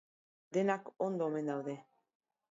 Denak ondo omen daude.